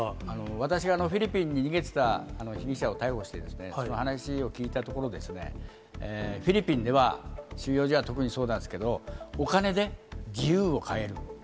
私はフィリピンに逃げていた被疑者を逮捕してですね、話を聞いたところですね、フィリピンでは収容所は特にそうなんですけど、お金で自由を買える。